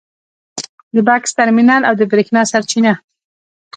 د بکس ترمینل او د برېښنا سرچینه